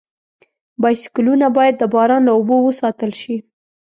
بایسکلونه باید د باران له اوبو وساتل شي.